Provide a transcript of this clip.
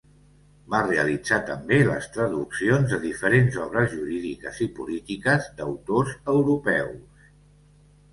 Va realitzar també les traduccions de diferents obres jurídiques i polítiques d'autors europeus.